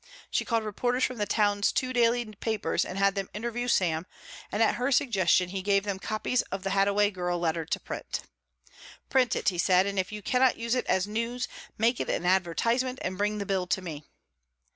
She called reporters from the town's two daily papers and had them interview Sam, and at her suggestion he gave them copies of the Hadaway girl letter to print. "Print it," he said, "and if you cannot use it as news, make it an advertisement and bring the bill to me."